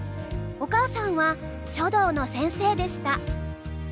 お母さんは書道の先生でした。